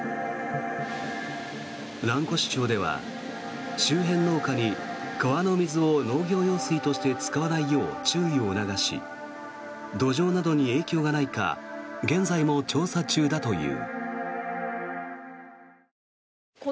蘭越町では、周辺農家に川の水を農業用水として使わないよう注意を促し土壌などに影響がないか現在も調査中だという。